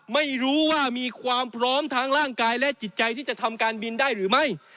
ไม่รู้ว่ามีความพร้อมทางร่างกายและจิตใจที่จะทำการบินได้หรือไม่